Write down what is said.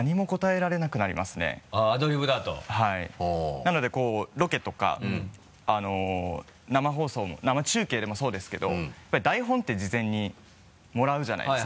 なのでロケとか生放送も生中継でもそうですけどやっぱり台本って事前にもらうじゃないですか。